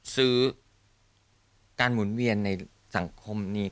ซื้อการหมุนเวียนในสังคมนี้